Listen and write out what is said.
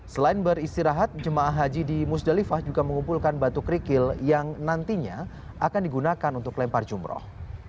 selain beristirahat jemaah haji di musdalifah juga mengumpulkan batu kerikil yang nantinya akan digunakan untuk lempar jumroh